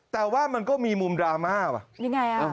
แต่ว่ามันก็มีมุมดราม่าว่ะ